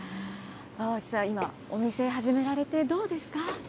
河内さん、今、お店始められて、どうですか？